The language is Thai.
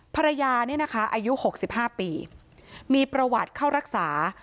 ภรรยาเนี่ยนะคะอายุ๖๕ปีมีประวัติเข้ารักษา